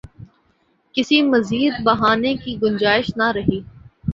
کسی مزید بہانے کی گنجائش نہ رہی۔